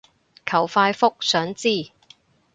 求快覆，想知